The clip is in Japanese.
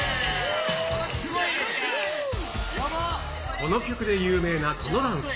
この曲で有名なこのダンス。